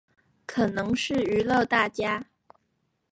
可能是娛樂大家